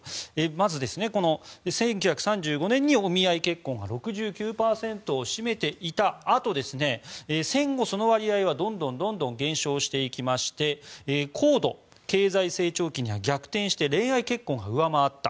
まず１９３５年にお見合い結婚が６９％を占めていたあとに戦後、その割合はどんどん減少していきまして高度経済成長期には逆転して恋愛結婚が上回った。